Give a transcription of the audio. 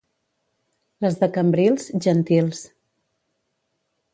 Les de Cambrils, gentils.